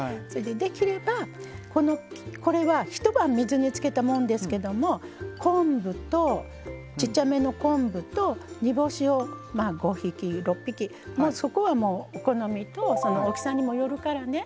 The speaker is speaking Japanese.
できれば、これは、一晩水につけたもんですけどもちっちゃめの昆布と煮干しを５匹、６匹そこは、お好みと大きさにもよるからね。